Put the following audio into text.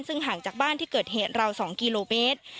ซึ่งห่างจากบ้านที่เกิดเหตุราว๒กิโลเมตร